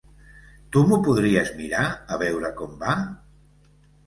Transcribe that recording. Tu m'ho podries mirar a veure com va?